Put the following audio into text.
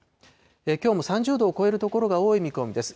きょうも３０度を超える所が多い見込みです。